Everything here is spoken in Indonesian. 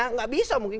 tidak bisa mungkin